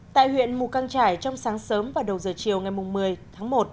tại huyện mù căng trải trong sáng sớm và đầu giờ chiều ngày một mươi tháng một